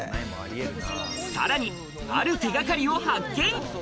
さらにある手掛かりを発見！